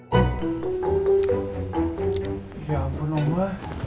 ya ampun om mbak